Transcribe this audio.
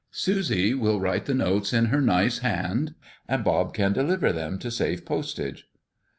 Susie will write the notes in her nice hand, and Bob can deliver them, to save postage."